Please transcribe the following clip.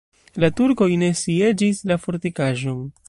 La turkoj ne sieĝis la fortikaĵon.